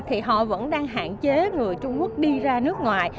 thì họ vẫn đang hạn chế người trung quốc đi ra nước ngoài